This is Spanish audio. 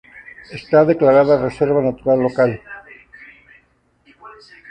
Está declarada reserva natural local.